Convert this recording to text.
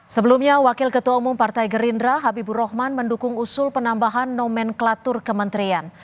sebelumnya wakil ketua umum partai gerindra habibur rahman mendukung usul penambahan nomenklatur kementerian